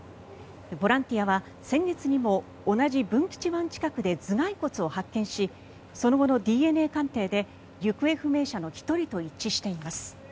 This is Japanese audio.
ボランティアは先月にも同じ文吉湾近くで頭がい骨を発見しその後のＤＮＡ鑑定で行方不明者の１人と一致しています。